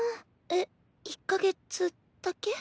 えっ１か月だけ？